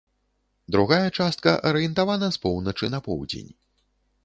Другая частка арыентавана з поўначы на поўдзень.